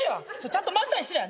ちゃんと漫才しいや。